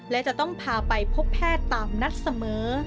และจะต้องพาไปพบแพทย์ตามนัดเสมอ